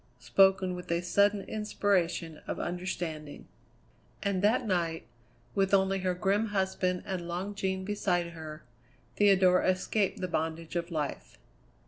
spoken with a sudden inspiration of understanding. And that night, with only her grim husband and Long Jean beside her, Theodora escaped the bondage of life.